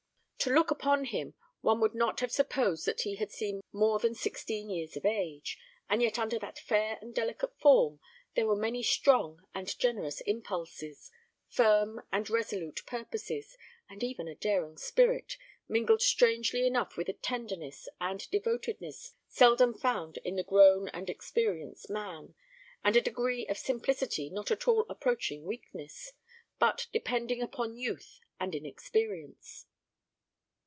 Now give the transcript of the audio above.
To look upon him, one would not have supposed that he had seen more than sixteen years of age; and yet under that fair and delicate form there were many strong and generous impulses, firm and resolute purposes, and even a daring spirit, mingled strangely enough with a tenderness and devotedness seldom found in the grown and experienced man, and a degree of simplicity not at all approaching weakness, but depending upon youth and inexperience.